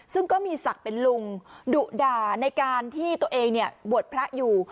ซึ่งก็มีศักดิ์เป็นลุงดุด่าในการที่ตัวเองบวชพระอยู่